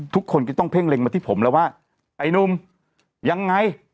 ทุกคนก็ต้องเพ่งเล็งมาที่ผมแล้วว่าไอ้หนุ่มยังไง